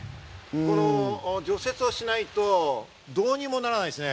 この除雪をしないと、どうにもならないですね。